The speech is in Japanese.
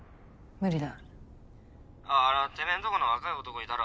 無理だ。